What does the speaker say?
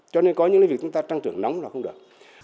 cho nên có những lý do chúng ta tăng trưởng nóng là không được